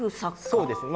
そうですね。